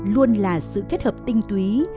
luôn là sự kết hợp tinh túy